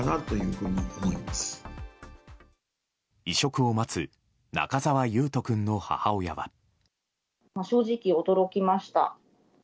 移植を待つ中澤維斗君の母親は。